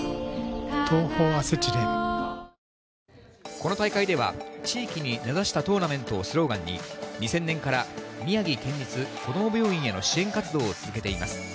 この大会では、地域に根ざしたトーナメントをスローガンに、２０００年から、宮城県立こども病院への支援活動を続けています。